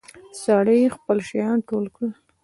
سړي خپل شيان ټول کړل.